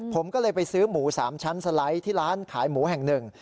ผมก็เลยไปซื้อหมู๓ชั้นสไลด์ที่ร้านขายหมูแห่งหนึ่ง